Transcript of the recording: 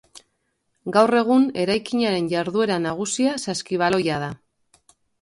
Gaur egun eraikinaren jarduera nagusia saskibaloia da.